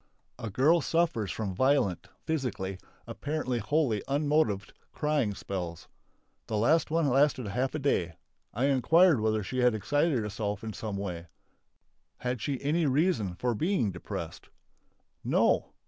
A girl suffers from violent (psychically), apparently wholly unmotived crying spells. The last one lasted half a day. I inquired whether she had excited herself in some way. Had she any reason for being depressed? No!